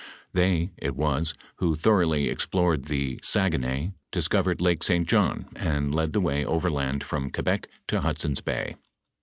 They, it was, who thoroughly explored the Saguenay, dis covered Lake St. John, and led the way overland from Que bec to Hudson's bay.